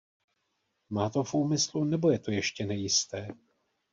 Má to v úmyslu, nebo je to ještě nejisté?